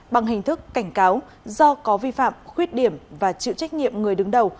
bằng hình thức cảnh cáo do có vi phạm khuyết điểm và chịu trách nhiệm người đứng đầu